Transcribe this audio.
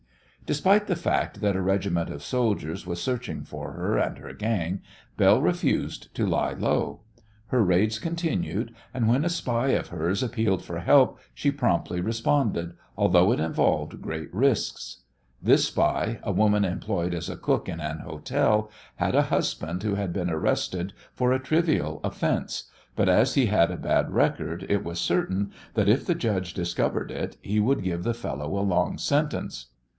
Despite the fact that a regiment of soldiers was searching for her and her gang, Belle refused to lie low. Her raids continued, and when a spy of hers appealed for help she promptly responded, although it involved great risks. This spy, a woman employed as a cook in an hotel, had a husband who had been arrested for a trivial offence, but as he had a bad record it was certain that if the judge discovered it he would give the fellow a long sentence.